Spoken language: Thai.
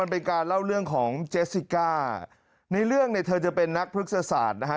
เป็นการเล่าเรื่องของเจสสิก้าในเรื่องเนี่ยเธอจะเป็นนักพฤกษศาสตร์นะฮะ